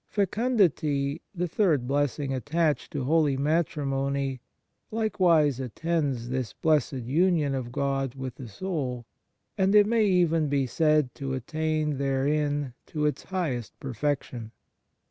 Fecundity, the third blessing attached to holy matrimony, likewise attends this blessed union of God with the soul, and it may even be said to attain therein to its highest perfection.